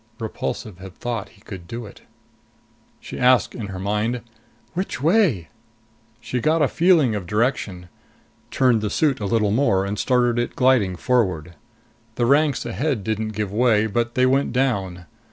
Repulsive had thought he could do it. She asked in her mind, "Which way?" She got a feeling of direction, turned the suit a little more and started it gliding forward. The ranks ahead didn't give way, but they went down.